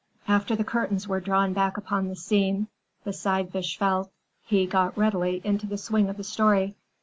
After the curtains were drawn back upon the scene beside the Scheldt, he got readily into the swing of the story.